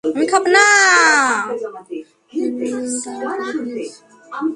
দুই মিনিট আরাম কর, প্লীজ।